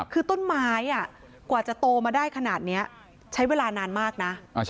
คือต้นไม้กว่าจะโตมาได้ขนาดนี้ใช้เวลานานมากนะ